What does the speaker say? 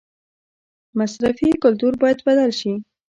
مصرفي کلتور باید بدل شي